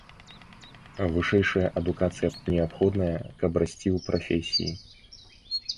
Вышэйшая адукацыя неабходная, каб расці ў прафесіі.